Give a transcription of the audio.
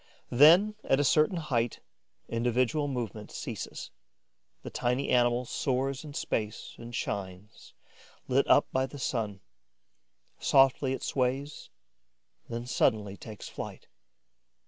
Then, at a certain height, individual movement ceases. The tiny animal soars in space and shines, lit up by the sun. Softly it sways, then suddenly takes flight.